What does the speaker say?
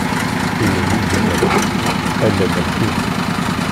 Imi izemmem, allen ldint.